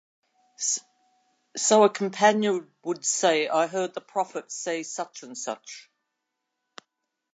So a companion would say, I heard the Prophet say such and such.